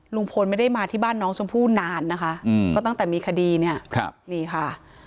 ลุงพลไม่ได้มาที่บ้านน้องชมพู่นานนะคะก็ตั้งแต่มีคดีเนี่ยนี่ค่ะ